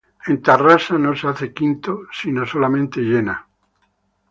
En Tarrasa no se hace quinto sino solamente llena.